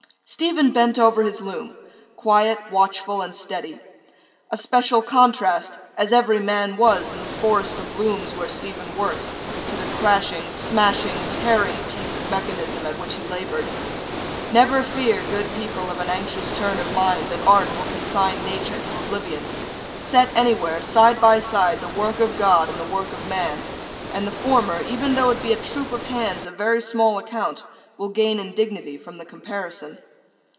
Stephen bent over his loom, quiet, watchful, and steady. A special contrast, as every man was in the forest of looms where Stephen worked, to the crashing, smashing, tearing piece of mechanism at which he laboured. Never fear, good people of an anxious turn of mind, that Art will consign Nature to oblivion. Set anywhere, side by side, the work of GOD and the work of man; and the former, even though it be a troop of Hands of very small account, will gain in dignity from the comparison.